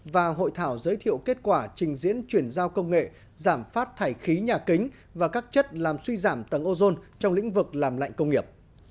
và hội thảo giới thiệu kết quả trình diễn chuyển giao công nghệ giảm phát thải khí nhà kính và các chất làm suy giảm tầng ozone trong lĩnh vực làm lạnh công nghiệp